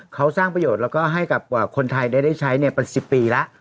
เขาสร้างประโยชน์แล้วก็ให้กับคนไทยได้ใช้เป็น๑๐ปีแล้ว